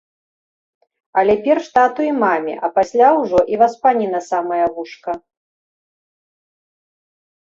Але перш тату і маме, а пасля ўжо і васпані на самае вушка.